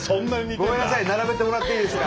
ごめんなさい並べてもらっていいですか。